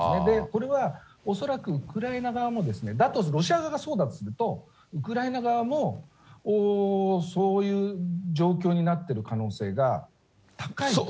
これは恐らくウクライナ側も、だとすると、ロシア側がそうだとすると、ウクライナ側もそういう状況になってる可能性が高いと。